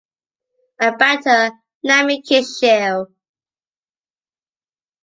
And better, let me kiss you.